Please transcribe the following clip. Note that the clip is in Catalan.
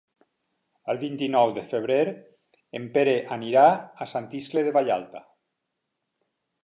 El vint-i-nou de febrer en Pere anirà a Sant Iscle de Vallalta.